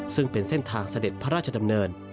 ซึ่งเป็นเส้นทางเสด็จพระราชดำเนิน